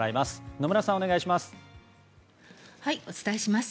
野村さん、お願いします。